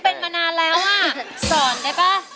เป็นมานานแล้วอ่ะสอนได้ป่ะ